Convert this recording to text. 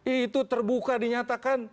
itu terbuka dinyatakan